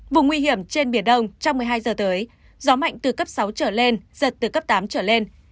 vùng nguy hiểm trên biển đông trong một mươi hai giờ tới gió mạnh từ cấp sáu trở lên giật từ cấp tám trở lên